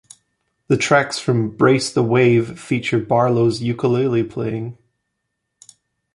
The tracks from "Brace the Wave" feature Barlow's ukulele playing.